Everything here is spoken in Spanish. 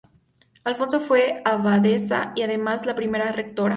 Alonso fue abadesa y, además, la primera rectora.